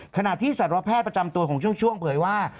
ขณะที่สัตวแพทย์ประจำตัวของช่วงเผยว่า